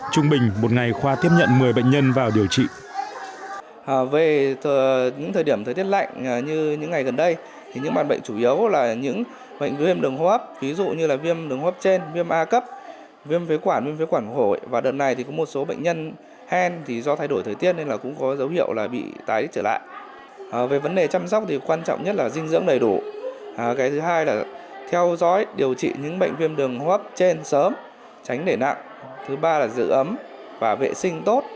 trung bình một ngày khoa tiếp nhận một mươi bệnh nhân vào điều trị